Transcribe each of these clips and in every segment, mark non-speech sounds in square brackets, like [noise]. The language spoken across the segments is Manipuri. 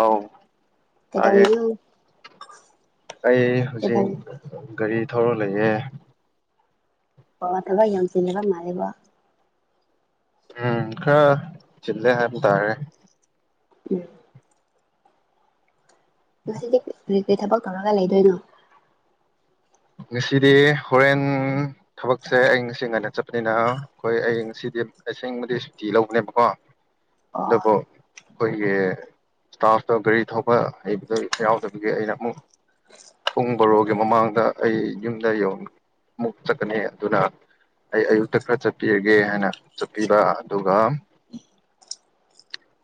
ꯑꯧ ꯇꯥꯏꯌꯦ [unintelligible] ꯑꯩ ꯍꯧꯖꯤꯛ ꯀꯩꯗꯧ ꯒꯥꯔꯤ ꯊꯧꯔ ꯂꯩꯌꯦ ꯋꯥꯇꯕ ꯌ ꯆꯂꯦꯕ ꯃꯥꯔꯦꯕ ꯎꯝ ꯈꯔ ꯆꯤꯜꯂꯦ ꯍꯥꯏꯕ ꯇꯥꯔꯦ ꯎꯝ ꯉꯁꯤꯗꯤ ꯀꯔꯤ ꯀꯔꯤ ꯊꯕꯛ ꯇꯧꯔꯒ ꯂꯩꯗꯣꯏꯅꯣ ꯉꯁꯤꯗꯤ ꯍꯣꯔꯦꯟ ꯊꯕꯛꯁꯦ ꯑꯩ ꯉꯁꯤ ꯉꯟꯅ ꯆꯠꯄꯅꯤꯅ ꯑꯩꯈꯣꯏ ꯑꯩ ꯉꯁꯤꯗꯤ ꯑꯁꯦꯡꯕꯗꯤ ꯁꯨꯇꯤ ꯂꯧꯕꯅꯦꯕꯀꯣ ꯏ ꯑꯣ ꯄꯣ ꯈꯣꯏꯒꯤ ꯁ꯭ꯇꯥꯐꯇꯣ ꯒꯥꯔꯤ ꯊꯧꯕ ꯍꯩꯕꯗꯣ ꯌꯥꯎꯗꯕꯒꯤ ꯑꯩꯅ ꯑꯃꯨꯛ ꯄꯨꯡ ꯕꯔꯣꯒꯤ ꯃꯃꯥꯡꯗ ꯑꯩ ꯌꯨꯝꯗ ꯌ ꯑꯃꯨꯛ ꯆꯠꯀꯅꯤ ꯑꯗꯨꯅ ꯑꯩ ꯑꯌꯨꯛꯇ ꯈꯔ ꯆꯠꯄꯤꯔꯒꯦ ꯍꯥꯏꯅ ꯆꯠꯄꯤꯕ ꯑꯗꯨꯒ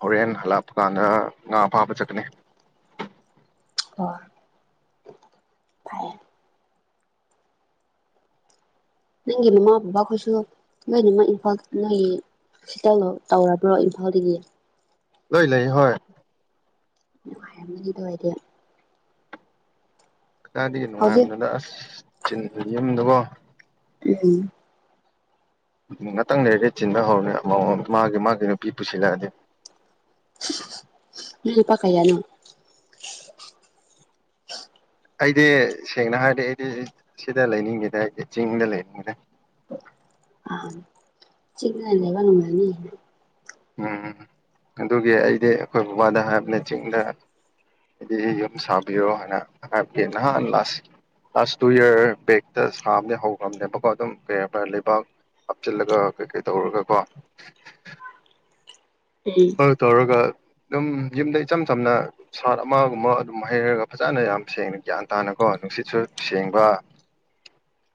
ꯍꯣꯔꯦꯟ ꯍꯜꯂꯛꯞꯄ ꯀꯥꯟꯗ ꯉꯥ ꯐꯥꯕ ꯆꯠꯀꯅꯤ ꯑꯣ ꯐꯔꯦ ꯅꯪꯒꯤ ꯃꯃꯥ ꯕꯕꯥꯈꯣꯏꯁꯨ ꯂꯣꯏꯅꯃꯛ ꯏꯝꯐꯥꯜ ꯅꯣꯏꯒꯤ ꯁꯤꯇꯜꯗꯣ ꯇꯧꯔꯕ꯭ꯔꯣ ꯏꯝꯐꯥꯜꯗꯒꯤ ꯂꯣꯏ ꯂꯩ ꯍꯣꯏ ꯃꯗꯤ ꯋꯥꯔ ꯀꯗꯤ ꯍꯧꯖꯤꯛ ꯅꯨꯡꯉꯥꯏꯅꯗ ꯑꯁ [unintelligible] ꯎꯝ ꯉꯥꯛꯇꯪ ꯂꯩꯔꯒ ꯑꯩ ꯆꯤꯟꯕ ꯍꯧꯔꯅꯦ ꯑꯃꯃꯨꯛ ꯃꯥꯒꯤ ꯃꯥꯒꯤ ꯅꯨꯄꯤ ꯄꯨꯁꯤꯜꯂꯛꯑꯗꯤ ꯅꯣꯏ ꯅꯨꯄꯥ ꯀꯩꯌꯥꯅꯣ ꯑꯩꯗꯤ ꯁꯦꯡꯅ ꯍꯥꯏꯔꯗꯤ ꯑꯩꯗꯤ ꯁꯤꯗ ꯂꯩꯅꯤꯡꯗꯦꯗ ꯑꯩꯗꯤ ꯆꯤꯡꯗ ꯂꯩꯅꯤꯡꯉꯤꯗ ꯆꯤꯡꯅ ꯂꯩꯕ ꯉꯝꯂꯅꯤ ꯎꯝ ꯑꯗꯨꯒꯤ ꯑꯩꯗꯤ ꯑꯩꯈꯣꯏ ꯕꯕꯥꯗ ꯍꯥꯏꯕꯅꯦ ꯆꯤꯡꯗ ꯑꯩꯗꯤ ꯌꯨꯝ ꯁꯥꯕꯤꯔꯣ ꯍꯥꯏꯅ ꯍꯥꯏꯕꯒꯤꯦ ꯅꯍꯥꯟ ꯂꯥꯁ ꯂꯥꯁ ꯇꯨ ꯌꯔ ꯕꯦꯛꯇ ꯁꯥꯕꯗꯤ ꯍꯧꯈ꯭ꯔꯕꯅꯦꯕꯀꯣ ꯑꯗꯨꯝ ꯦꯕꯔ ꯂꯩꯕꯥꯛ ꯍꯥꯞꯆꯤꯜꯂꯒ ꯀꯩꯀꯩ ꯇꯧꯔꯒꯀꯣ ꯎꯝ [unintelligible] ꯇꯧꯔꯒ ꯗꯨꯝ ꯌꯨꯝꯗ ꯏꯆꯝ ꯆꯝꯅ ꯁꯥꯠ ꯑꯃꯒꯨꯝꯕ ꯑꯗꯨꯝ ꯍꯩꯔꯒ ꯐꯖꯅ ꯌꯥꯝ ꯁꯦꯡꯅ ꯒ꯭ꯌꯥꯟ ꯇꯥꯅꯀꯣ ꯅꯨꯡꯁꯤꯠꯁꯨ ꯁꯦꯡꯕ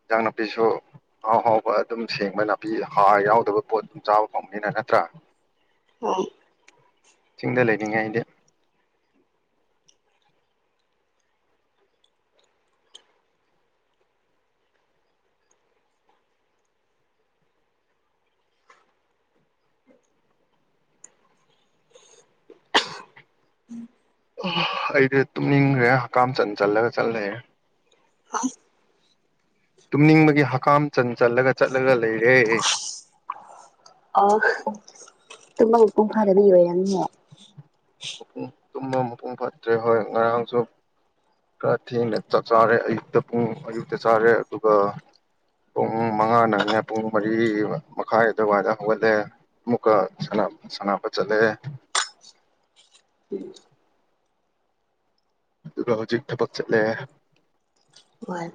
ꯏꯟꯖꯥꯡ ꯅꯥꯄꯤꯁꯨ ꯑꯍꯥꯎ ꯍꯥꯎꯕ ꯑꯗꯨꯝ ꯁꯦꯡꯕ ꯅꯥꯄꯤ ꯍꯥꯔ ꯌꯥꯎꯗꯕ ꯄꯣꯠ ꯑꯗꯨꯝ ꯆꯥꯕ ꯐꯪꯕꯅꯤꯅ ꯅꯠꯇ꯭ꯔꯥ ꯍꯣꯏ ꯆꯤꯡꯗ ꯂꯩꯅꯤꯡꯉꯩꯗꯤ ꯑꯩꯗꯤ ꯇꯨꯝꯅꯤꯡꯈ꯭ꯔꯦ ꯍꯀꯝꯆꯟ ꯆꯜꯂꯒ ꯆꯠꯂꯑꯦ ꯇꯨꯝꯅꯤꯡꯕꯒꯤ ꯍꯀꯥꯝ ꯆꯟ ꯆꯜꯂꯒ ꯆꯠꯂꯒ ꯂꯩꯔꯦ ꯑꯣ ꯇꯨꯝꯕ ꯃꯄꯨꯡ ꯐꯥꯗꯕꯒꯤ ꯑꯣꯏꯔꯝꯅꯤꯑꯦ ꯃꯄꯨꯡ ꯇꯨꯝꯕ ꯃꯄꯨꯡ ꯐꯠꯇ꯭ꯔꯦ ꯍꯣꯏ ꯉꯔꯥꯡꯁꯨ ꯈꯔ ꯊꯦꯡꯅ ꯆꯥꯛ ꯆꯥꯔꯦ ꯑꯌꯨꯛꯇ ꯄꯨꯡ ꯑꯌꯨꯛꯇ ꯆꯥꯔꯦ ꯑꯗꯨꯒ ꯄꯨꯡ ꯃꯉꯥ ꯅꯪꯅꯤ ꯄꯨꯡ ꯃꯔꯤ ꯃꯈꯥꯏ ꯑꯗꯨꯋꯥꯏꯗ ꯍꯧꯒꯠꯂꯦ ꯑꯃꯨꯛꯀ ꯁꯥꯅ ꯁꯥꯅꯕ ꯆꯠꯂꯦ ꯑꯗꯨꯒ ꯍꯧꯖꯤꯛ ꯊꯕꯛ ꯆꯠꯂꯦ ꯋꯥꯟ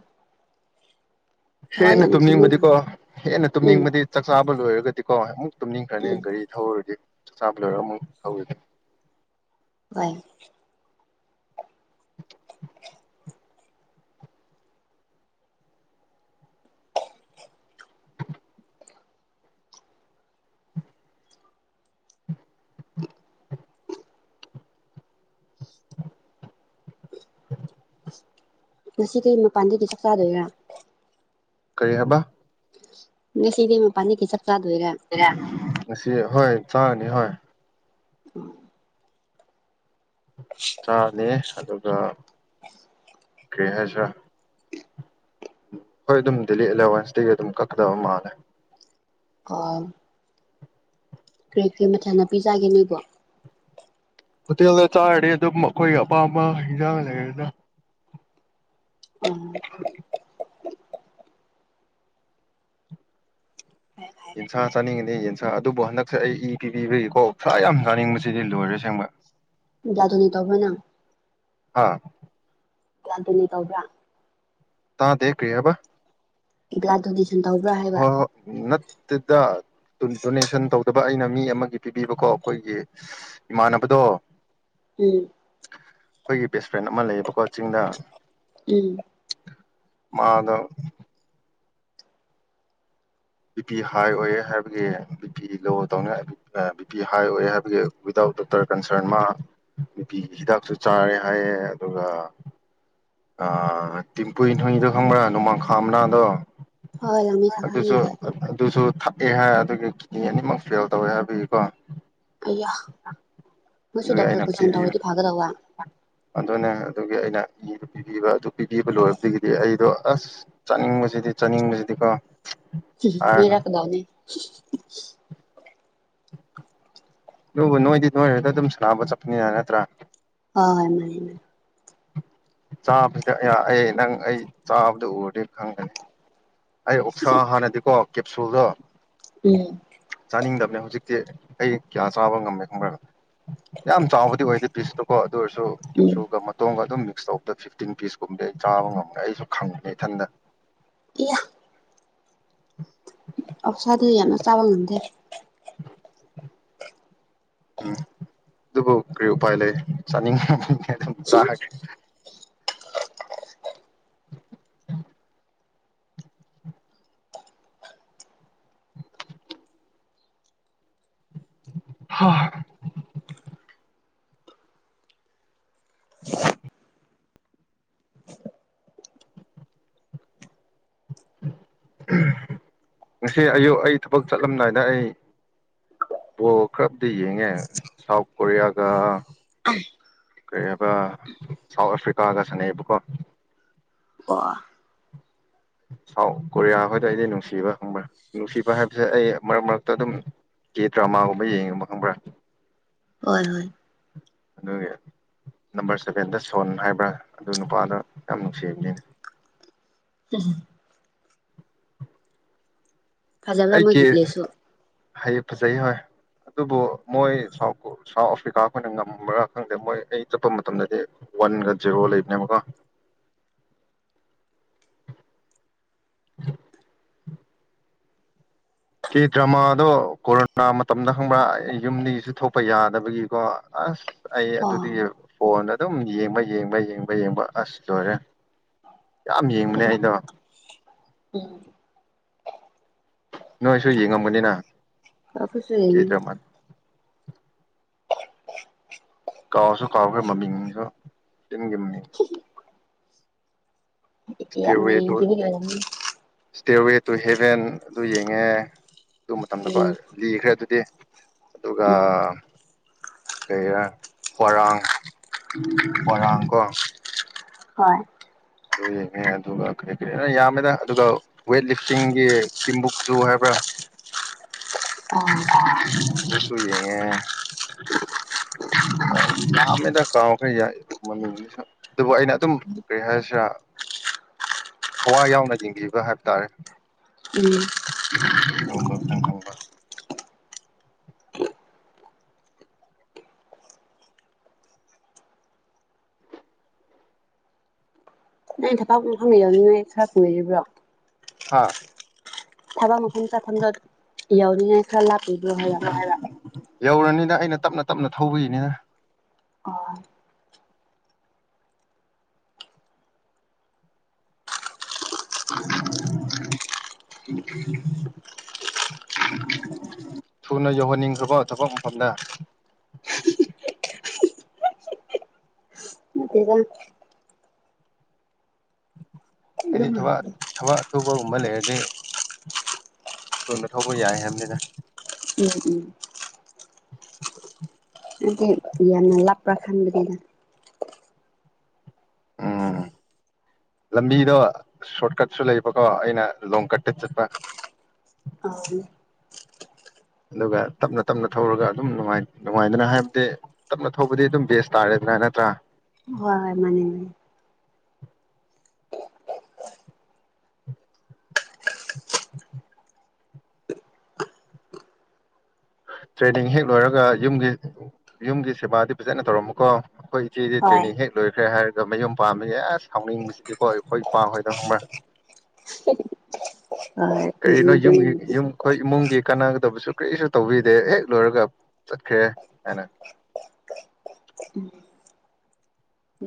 ꯍꯦꯟꯅ ꯇꯨꯝꯅꯤꯡꯕꯗꯤꯀꯣ ꯃꯥꯜꯂꯦ ꯍꯦꯟꯅ ꯎꯝ ꯇꯨꯝꯅꯤꯡꯕꯗꯤ ꯆꯥꯛ ꯆꯥꯕ ꯂꯣꯏꯔ [unintelligible] ꯇꯨꯝꯅꯤꯡꯈ꯭ꯔꯅꯦ ꯎꯝ ꯒꯥꯔꯤ ꯊꯧꯔꯗꯤ ꯆꯥꯕ ꯂꯣꯏꯔ ꯃꯨꯛ ꯇꯧꯔꯅꯤ ꯍꯣꯏ [unintelligible] [unintelligible] ꯉꯁꯤ ꯀꯔꯤ ꯃꯄꯥꯟꯗꯒꯤꯗꯤ ꯆꯥꯛ ꯆꯥꯗꯣꯏꯔꯥ ꯀꯔꯤ ꯍꯥꯏꯕ ꯉꯁꯤꯗꯤ ꯃꯄꯥꯟꯗꯒꯤ ꯆꯥꯛ ꯆꯥꯗꯣꯏꯔꯥ ꯔ ꯍꯣꯏ ꯆꯥꯅꯤ ꯍꯣꯏ ꯆꯥꯅꯤ ꯑꯗꯨꯒ ꯀꯩ ꯍꯥꯏꯁꯤꯔꯥ ꯍꯣꯏ ꯑꯗꯨꯝ ꯗꯦꯜꯂꯤ ꯑꯦꯂꯚꯦꯟꯁꯇꯒꯤ ꯑꯗꯨꯝ ꯀꯛꯀꯗꯕ ꯃꯥꯜꯂꯦ ꯀꯩ ꯀꯔꯤ ꯃꯊꯦꯜ ꯅꯥꯄꯤ ꯆꯥꯒꯦ ꯅꯣꯏꯕꯣ ꯍꯣꯇꯦꯜꯗ ꯆꯥꯔꯗꯤ ꯑꯗꯨꯝ ꯑꯩꯈꯣꯏꯒꯤ ꯑꯄꯥꯝꯕ ꯍꯤꯟꯖꯥꯡ ꯂꯩꯔꯒ ꯎꯝ [unintelligible] ꯌꯦꯟꯁꯥ ꯆꯥꯅꯤꯡꯉꯤꯅꯤ ꯌꯦꯟꯁꯥ ꯑꯗꯨꯕꯨ ꯍꯟꯗꯛꯁꯦ ꯑꯩ ꯏ ꯄꯤꯕꯤꯕꯒꯤꯀꯣ ꯁꯥ ꯌꯥꯝ ꯆꯥꯅꯤꯡꯕꯁꯤꯗꯤ ꯂꯣꯏꯔꯦ ꯁꯦꯡꯕ ꯌꯥꯗꯨꯅꯤ ꯇꯧꯕ꯭ꯔ ꯅꯪ ꯍ ꯒꯌꯥꯟꯗꯨꯅꯤ ꯇꯧꯕ꯭ꯔꯥ ꯇꯥꯗꯦ ꯀꯔꯤ ꯍꯥꯏꯕ ꯒꯌꯥꯟꯗꯨꯅꯤ ꯍꯣꯏ ꯍꯣꯏ ꯅꯠꯇꯦꯗ ꯗꯣꯅꯦꯁꯟ ꯇꯧꯗꯕ ꯑꯩꯅ ꯃꯤ ꯑꯃꯒꯤ ꯄꯤꯕꯤꯕꯀꯣ ꯑꯩꯈꯣꯏꯒꯤ ꯏꯃꯥꯟꯅꯕꯗꯣ ꯎꯝ ꯑꯩꯈꯣꯏꯒꯤ ꯕꯦꯁ ꯐ꯭ꯔꯦꯟ ꯑꯃ ꯂꯩꯌꯦꯕꯀꯣ ꯆꯤꯡꯗ ꯎꯝ ꯃꯥꯗꯣ ꯕꯤ ꯄꯤ ꯍꯥꯏ ꯑꯣꯏꯑꯦ ꯍꯥꯏꯕꯒꯤ ꯕꯤ ꯄꯤ ꯂꯣ ꯇꯧꯅꯤ ꯕꯤ ꯄꯤ ꯍꯥꯏ ꯑꯣꯏꯑꯦ ꯍꯥꯏꯕꯒꯤ ꯋꯤꯗꯥꯎꯠ ꯗꯣꯛꯇꯔ ꯀꯟꯁꯔꯟ ꯃꯥ ꯕꯤ ꯄꯤꯒꯤ ꯍꯤꯗꯥꯛꯁꯨ ꯆꯥꯔꯦ ꯍꯥꯏꯌꯦ ꯑꯗꯨꯒ ꯑ ꯇꯤꯝꯄꯨ ꯍꯣꯏꯗꯣ ꯈꯪꯕ꯭ꯔꯥ ꯅꯣꯡꯃꯥꯡꯈꯥ ꯃꯅꯥꯗꯣ ꯍ ꯂꯃꯤ ꯊꯈꯥꯅꯤ ꯑꯗꯨꯁꯨ ꯍꯣꯏ ꯑꯗꯨꯁꯨ ꯊꯛꯑꯦ ꯍꯥꯏ ꯑꯗꯨꯒꯤ ꯀꯤꯠꯅꯤ ꯑꯅꯤꯃꯛ ꯐꯦꯜ ꯇꯧꯋꯦ ꯍꯥꯏꯕꯒꯤꯀꯣ ꯑꯩꯌꯥ ꯃꯣꯏꯁꯨ ꯑꯗꯨꯒꯤ ꯗꯣꯛꯇꯔ ꯑꯩꯅ ꯀꯣꯏꯁꯟ ꯄꯤꯕꯤꯌꯨ ꯇꯧꯔꯗꯤ ꯐꯒꯗꯧꯕ ꯑꯗꯨꯅꯦ ꯑꯗꯨꯒꯤ ꯑꯩꯅ [unintelligible] ꯄꯤꯕꯤꯕ ꯑꯗꯨ ꯄꯤꯕꯤꯕ ꯂꯣꯏꯔꯕꯗꯒꯤꯗꯤ ꯑꯩꯗꯣ ꯑꯁ ꯆꯥꯅꯤꯡꯕꯁꯤꯗꯤ ꯆꯥꯅꯤꯡꯕꯁꯤꯗꯤꯀꯣ ꯍꯥꯏꯔꯅꯨ ꯉꯥꯏꯔꯛꯀꯗꯧꯅꯦ [unintelligible] ꯑꯗꯨꯕꯨ ꯅꯣꯏꯗꯤ ꯅꯣꯏ ꯑꯗꯨꯗ ꯑꯗꯨꯝ ꯁꯅꯥꯕ ꯆꯠꯄꯅꯤꯅ ꯅꯠꯇ꯭ꯔꯥ ꯑ ꯆꯥꯕꯁꯤꯗ ꯑꯩ ꯅꯪ ꯑꯩ ꯆꯥꯕꯗ ꯎꯔꯨꯗ ꯈꯪꯒꯅꯤ ꯑꯩ ꯑꯣꯛꯁꯥ ꯍꯥꯟꯅꯗꯤꯀꯣ ꯀꯦꯞꯁꯨꯜꯗꯣ ꯎꯝ ꯆꯥꯅꯤꯡꯗꯕꯅꯦ ꯍꯧꯖꯤꯛ ꯑꯩ ꯀꯌꯥ ꯆꯥꯕ ꯉꯝꯃꯦ ꯈꯪꯕ꯭ꯔ ꯌꯥꯝ ꯆꯥꯎꯕꯗꯤ ꯑꯣꯏꯗꯦ ꯄꯤꯁꯇꯨꯀꯣ ꯑꯗꯨ ꯑꯣꯏꯔꯁꯨ ꯎꯝ ꯀꯦꯞꯁꯨꯒ ꯃꯇꯣꯡꯒ ꯑꯗꯨꯝ ꯛꯁꯇꯣꯞꯇ ꯐꯤꯐꯇꯤꯟ ꯄꯤꯁꯀꯨꯝꯕꯗꯤ ꯑꯩ ꯆꯥꯕ ꯉꯝꯒꯅꯤ ꯑꯩꯁꯨ ꯈꯪꯕꯅꯤ ꯏꯊꯟꯗ ꯏꯌꯥ [inaudible] ꯑꯞꯁꯥꯗꯨ ꯌꯥꯝꯅ ꯆꯥꯕ ꯉꯝꯗꯦ [inaudible] ꯎꯝ ꯗꯨꯕꯨ ꯀꯔꯤ ꯎꯄꯥꯏ ꯂꯩ ꯆꯥꯅꯤꯡꯉꯤ ꯑꯗꯨꯝ ꯆꯥꯒ꯭ꯔꯦ [unintelligible] ꯉꯁꯤ ꯑꯌꯨꯛ ꯑꯩ ꯊꯕꯛ ꯆꯠꯂꯝꯗꯥꯏꯗ ꯑꯩ ꯕꯣꯜ ꯈꯔꯕꯨꯗꯤ ꯌꯦꯡꯉꯦ ꯁꯥꯎꯠ ꯀꯣꯔꯤꯌꯥꯒ ꯀꯔꯤ ꯍꯥꯏꯕ ꯁꯥꯎꯠ ꯑꯐ꯭ꯔꯤꯀꯥꯒ ꯁꯥꯟꯅꯩꯑꯕꯀꯣ ꯋꯥ ꯁꯥꯎꯠ ꯀꯣꯔꯤꯌꯥ ꯍꯣꯏꯗ ꯑꯩꯗꯤ ꯅꯨꯡꯁꯤꯌꯦꯕ ꯈꯪꯕ꯭ꯔꯥ ꯅꯨꯡꯁꯤꯕ ꯍꯥꯏꯕꯁꯦ ꯑꯩ ꯃꯔꯛ ꯃꯔꯛꯇ ꯑꯗꯨꯝ ꯀꯦ ꯗ꯭ꯔꯃꯥꯒꯨꯝꯕ ꯌꯦꯡꯉꯦꯕ ꯈꯪꯕ꯭ꯔꯥ ꯍꯣꯏ ꯍꯣꯏ ꯑꯗꯨꯒꯤ ꯅꯝꯕꯔ ꯁꯚꯦꯟꯗ ꯁꯣꯟ ꯍꯥꯏꯕ꯭ꯔꯥ ꯑꯗꯨ ꯅꯨꯄꯥꯗ ꯌꯥꯝ ꯅꯨꯡꯁꯤꯕꯅꯤꯅꯦ ꯎꯝ ꯐꯖꯔꯕ꯭ꯔ ꯑꯩ ꯃꯣꯏꯒꯤ ꯀꯦ ꯄ꯭ꯂꯦꯁꯨ ꯍꯩ ꯐꯖꯩ ꯍꯣꯏ ꯑꯗꯨꯕꯨ ꯃꯣꯏ ꯁꯥꯎꯠ ꯁꯥꯎꯠ ꯑꯐ꯭ꯔꯤꯀꯥ ꯑꯩꯈꯣꯏꯅ ꯉꯝꯕ꯭ꯔꯥ ꯈꯪꯗꯦ ꯃꯣꯏ ꯑꯩ ꯆꯠꯄ ꯃꯇꯝꯗꯗꯤ ꯋꯥꯟꯒ ꯖꯦꯔꯣ ꯂꯩꯕꯅꯦꯕꯀꯣ ꯀꯦ ꯗ꯭ꯔꯃꯥꯗꯣ ꯀꯣꯔꯣꯅꯥ ꯃꯇꯝꯗ ꯈꯪꯕ꯭ꯔꯥ ꯌꯨꯝꯗꯒꯤꯁꯨ ꯊꯣꯛꯄ ꯌꯥꯗꯕꯒꯤꯀꯣ ꯑꯁ ꯑꯩ ꯑꯣ ꯑꯗꯨꯗꯒꯤ ꯐꯣꯟꯗ ꯑꯗꯨꯝ ꯌꯦꯡꯕ ꯌꯦꯡꯕ ꯌꯦꯡꯕ ꯌꯦꯡꯕ ꯑꯁ ꯂꯣꯏꯔꯦ ꯌꯥꯝ ꯌꯦꯡꯕꯅꯦ ꯑꯩꯗꯣ ꯎꯝ ꯅꯣꯏꯁꯨ ꯌꯦꯡꯉꯝꯕꯅꯤꯅ ꯀꯄꯨꯁꯨꯅ ꯀꯥꯎꯁꯨ ꯀꯥꯎꯈ꯭ꯔꯦ ꯃꯃꯤꯡꯁꯨ ꯇꯤꯟꯒꯤ ꯃꯃꯤꯡ ꯌꯥꯝ [unintelligible] ꯑꯣꯏꯔꯝꯅꯤ ꯇꯦꯔꯋꯦ ꯇꯨ ꯍꯦꯚꯦꯟ ꯑꯗꯨ ꯌꯦꯡꯉꯦ ꯑꯗꯨ ꯃꯇꯝꯗꯀꯣ ꯎꯝ ꯂꯤꯈ꯭ꯔꯦ ꯑꯗꯨꯗꯤ ꯑꯗꯨꯒ ꯎꯝ ꯀꯩꯔꯥ ꯍ꯭ꯋꯥꯔꯥꯡ ꯍ꯭ꯋꯥꯔꯥꯡ ꯀꯣ ꯍꯣꯏ ꯑꯗꯨ ꯌꯦꯡꯉꯦ ꯑꯗꯨꯒ ꯀꯔꯤ ꯀꯔꯤꯅ ꯌꯥꯝꯃꯦꯗ ꯑꯗꯨꯒ ꯋꯦꯠ ꯂꯤꯐꯇꯤꯡꯒꯤ ꯀꯤꯝꯕꯨꯛꯁꯨꯨ ꯍꯥꯏꯕ꯭ꯔꯥ ꯑꯥ ꯑ ꯑꯗꯨꯁꯨ ꯌꯦꯡꯉꯦ ꯌꯥꯝꯃꯦꯗ ꯀꯥꯎꯈ꯭ꯔ ꯃꯃꯤꯡꯁꯤꯁꯨ ꯑꯗꯨꯕꯨ ꯑꯩꯅ ꯑꯗꯨꯝ ꯀꯔꯤ ꯍꯥꯏꯁꯤꯔꯥ ꯊꯋꯥꯏ ꯌꯥꯎꯅ ꯌꯦꯡꯕꯤꯕ ꯍꯥꯏꯕ ꯇꯥꯔꯦ ꯎꯝ [unintelligible] ꯅꯣꯏ ꯊꯄꯥꯛ ꯃꯐꯝꯒꯤ ꯌꯥꯎꯅꯤꯡꯉꯥꯏ [unintelligible] ꯊꯨꯡꯅ ꯔꯤꯕ꯭ꯔꯣ ꯍꯥꯥ ꯊꯕ ꯃꯈ ꯈꯟ ꯆ ꯈꯟꯖ ꯏ ꯌꯥꯎꯔꯤꯉꯥꯏ ꯈꯔ ꯂꯥꯛꯄꯤꯕꯤꯣ ꯍꯥꯏꯕ ꯌꯧꯔꯅꯤꯗ ꯑꯩꯅ ꯇꯞꯅ ꯇꯞꯅ ꯊꯧꯕꯒꯤꯅꯤꯅ ꯑꯣ ꯊꯨꯅ ꯌꯧꯍꯟꯅꯤꯡꯈ꯭ꯔꯕꯣ ꯊꯕꯛ ꯃꯐꯝꯗ ꯅꯠꯇꯦꯗ ꯑꯩꯗꯤ ꯑꯗꯨꯝ ꯊꯕꯛ ꯍꯪꯕꯅꯦ ꯊꯕꯛ ꯁꯨꯕꯒꯨꯝꯕ ꯂꯩꯔꯗꯤ ꯇꯨꯅ ꯊꯣꯛꯄ ꯌꯥꯏ ꯍꯥꯏꯕꯅꯦꯗ ꯎꯝ ꯎꯝ [unintelligible] ꯈꯟꯗꯦꯗ ꯎꯝ ꯂꯝꯕꯤꯗꯣ ꯁꯣꯔꯠ ꯀꯠꯁꯨ ꯂꯩꯕꯀꯣ ꯑꯩꯅ ꯂꯣꯡ ꯀꯠꯇ ꯆꯠꯄ ꯑꯎ ꯑꯗꯨꯒ ꯇꯞꯅ ꯇꯞꯅ ꯊꯧꯔꯒ ꯑꯗꯨꯝ ꯅꯨꯡꯉꯥꯢ ꯅꯨꯡꯉꯥꯏꯗꯅ ꯍꯥꯏꯕꯗꯤ ꯇꯞꯅ ꯊꯧꯕꯗꯤ ꯑꯗꯨꯝ ꯕꯦꯁ ꯇꯥꯔꯦꯗꯅ ꯅꯠꯇ꯭ꯔꯥ ꯍꯣꯏ ꯍꯣꯏ ꯃꯥꯅꯤꯅꯦ [unintelligible] ꯇ꯭ꯔꯦꯅꯤꯡ ꯍꯦꯛ ꯂꯣꯏꯔꯒ ꯌꯨꯝꯒꯤ ꯌꯨꯝꯒꯤ ꯁꯦꯕꯥꯗꯤ ꯐꯖꯅ ꯇꯧꯔꯝꯃꯨꯀꯣ ꯑꯈꯣꯏ ꯁꯤꯗꯤ ꯍꯣꯏ ꯇ꯭ꯔꯦꯅꯤꯡ ꯍꯦꯛ ꯂꯣꯏꯈ꯭ꯔꯦ ꯍꯥꯏꯔ ꯑꯗꯣ ꯃꯌꯨꯝ ꯄꯥꯝꯕꯁꯦ ꯑꯦꯁ ꯁꯥꯎꯅꯤꯡꯕꯁꯤꯗꯤꯀꯣ ꯑꯩꯈꯣꯏ ꯄꯥ ꯍꯣꯏꯗꯣ ꯈꯪꯕ꯭ꯔꯥ ꯍꯣꯏ ꯀꯔꯤꯅꯣ ꯃꯗꯨꯅꯦ ꯌꯨꯝꯒꯤ ꯅꯨꯄꯤꯁꯨ ꯌꯨꯝ ꯑꯈꯣꯏ ꯏꯃꯨꯡꯒꯤ ꯀꯥꯟꯅꯒꯗꯕꯁꯨ ꯀꯔꯤꯁꯨ ꯇꯧꯕꯤꯗꯦ ꯍꯦꯛ ꯂꯣꯏꯔꯒ ꯆꯠꯈ꯭ꯔꯦ ꯍꯥꯏꯅ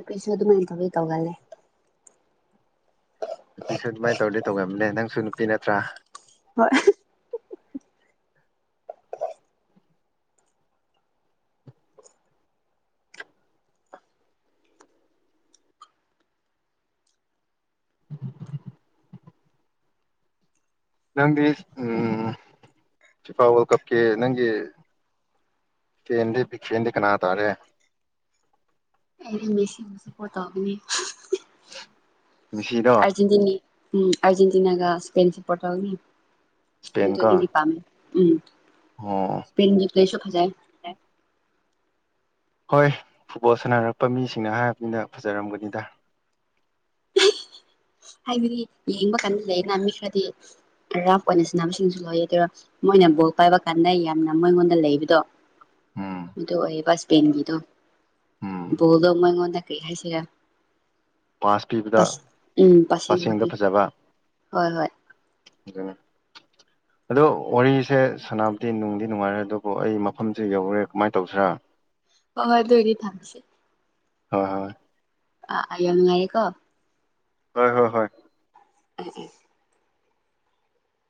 ꯀꯩꯁꯨ ꯑꯗꯨꯃꯥꯏꯅ ꯇꯧꯋꯤ ꯇꯧꯒꯜꯂꯦ ꯅꯨꯄꯤꯁꯨ ꯑꯗꯨꯃꯥꯏꯅ ꯇꯧꯔꯗꯤ ꯇꯧꯑꯦꯕꯅꯦ ꯅꯪꯁꯨ ꯅꯨꯄꯤ ꯅꯠꯇ꯭ꯔꯥ ꯍꯣꯏ [unintelligible] ꯅꯪꯗꯤ ꯎꯝ ꯐꯤꯐꯥ ꯋꯥꯔꯜ ꯀꯞꯀꯤ ꯅꯪꯒꯤ ꯐꯦꯟꯗꯤ ꯕꯤꯛ ꯐꯦꯟꯗꯤ ꯀꯅꯥ ꯇꯥꯔꯦ ꯑꯩꯗꯤ ꯃꯦꯁꯤꯕꯨ ꯁꯄꯣꯠ ꯇꯧꯕꯅꯤ ꯃꯤꯁꯤꯗꯣ ꯑꯔꯖꯦꯟꯇꯤꯅꯤ ꯎꯝ ꯑꯔꯖꯦꯟꯇꯤꯅꯥꯒ ꯁ꯭ꯄꯦꯟ ꯁꯄ꯭ꯔꯣꯠ ꯇꯧꯅꯤ ꯏꯁꯄꯦꯟ ꯀꯣ ꯃꯗꯨꯗꯗꯤ ꯄꯥꯝꯃꯦ ꯎꯝ ꯑꯣ ꯁ꯭ꯄꯦꯟꯒꯤ ꯄ꯭ꯂꯦꯁꯨ ꯐꯖꯥꯏ ꯍꯣꯏ ꯐꯨꯠꯕꯣꯜ ꯁꯥꯟꯅꯔꯛꯄ ꯃꯤꯁꯤꯡꯅ ꯍꯥꯏꯔꯕꯅꯤꯅ ꯐꯖꯔꯝꯒꯅꯤꯗ ꯍꯥꯏꯕꯗꯤ ꯌꯦꯡꯕ ꯀꯥꯟꯗ ꯂꯩꯌꯦꯅ ꯃꯤ ꯈꯔꯗꯤ ꯔꯐ ꯑꯣꯏꯅ ꯁꯥꯟꯅꯕꯁꯤꯡꯁꯨ ꯂꯣꯏꯌꯦ ꯇꯦꯔꯥ ꯃꯣꯏꯅ ꯕꯣꯜ ꯄꯥꯏꯕ ꯀꯥꯟꯗ ꯌꯥꯝꯅ ꯃꯣꯏꯉꯣꯟꯗ ꯂꯩꯕꯗꯣ ꯎꯝ ꯑꯗꯨ ꯑꯣꯏꯕꯁ ꯄꯦꯟꯒꯤꯗꯣ ꯎꯝ ꯕꯣꯜꯗꯨ ꯃꯉꯣꯟꯗ ꯀꯩ ꯍꯥꯏꯁꯤꯔ ꯄꯥꯁ ꯄꯤꯕꯗ ꯎꯝ ꯄꯥꯁꯤꯡ ꯄꯥꯁꯤꯡꯗ ꯃꯄꯤ ꯐꯖꯕ ꯍꯣꯏ ꯍꯣꯏ ꯑꯗꯣ ꯋꯥꯔꯤꯁꯦ ꯁꯅꯥꯕꯨꯗꯤ ꯅꯨꯡꯗꯤ ꯅꯨꯡꯉꯥꯏꯔꯦ ꯑꯗꯨꯕꯨ ꯑꯩ ꯃꯐꯝꯁꯦ ꯌꯧꯔꯦ ꯀꯃꯥꯏꯅ ꯇꯧꯁꯦꯔꯥ ꯍꯣ ꯍꯣꯏ ꯑꯗꯨ ꯑꯣꯏꯗꯤ ꯊꯝꯁꯤ ꯍꯣꯏ ꯍꯣꯏ ꯑ ꯑꯩ ꯌꯥꯝ ꯅꯨꯉꯥꯏꯌꯦꯀꯣ ꯍꯣꯏ ꯍꯣꯏ ꯍꯣꯏ ꯎꯝ ꯎꯝ